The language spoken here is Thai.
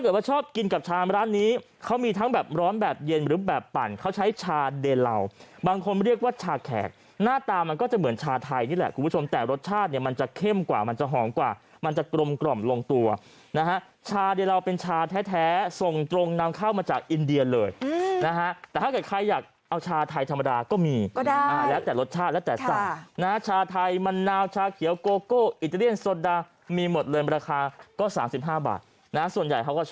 ก็ชอบกินกับชาร้านนี้เขามีทั้งแบบร้อนแบบเย็นหรือแบบปั่นเขาใช้ชาเดราบางคนเรียกว่าชาแขกหน้าตามันก็จะเหมือนชาไทยนี่แหละคุณผู้ชมแต่รสชาติเนี่ยมันจะเข้มกว่ามันจะหอมกว่ามันจะกรมกร่อมลงตัวนะฮะชาเดราเป็นชาแท้แท้ส่งตรงนำเข้ามาจากอินเดียเลยนะฮะแต่ถ้าใครอยากเอาชาไทยธรรมดาก็มี